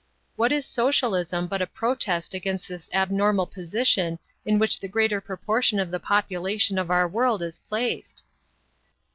What is socialism but a protest against this abnormal position in which the greater proportion of the population of our world is placed?